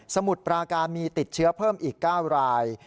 มุดปราการมีติดเชื้อเพิ่มอีก๙ราย